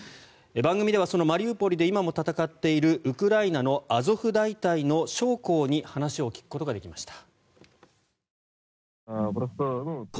番組ではそのマリウポリで今も戦っているウクライナのアゾフ大隊の将校に話を聞くことができました。